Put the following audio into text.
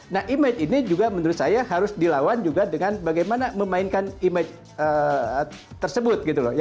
nah image ini juga menurut saya harus dilawan juga dengan bagaimana memainkan image tersebut gitu loh